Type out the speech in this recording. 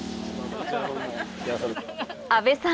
阿部さん